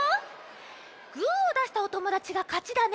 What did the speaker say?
グーをだしたおともだちがかちだね。